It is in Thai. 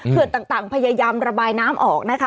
ต่างพยายามระบายน้ำออกนะคะ